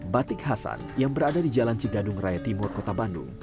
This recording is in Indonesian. batik hasan yang berada di jalan cigadung raya timur kota bandung